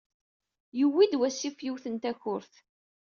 Yuwey-d wasif yiwet n takurt.